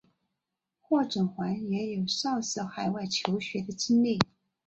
霍震寰也有少时海外求学的经历。